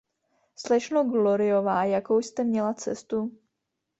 Slečno Gloryová, jakou jste měla cestu?